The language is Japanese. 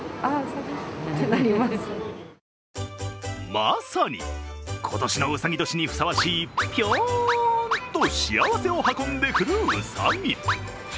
まさに、今年のうさぎ年にふさわしいぴょーんと幸せを運んでくるうさぎ。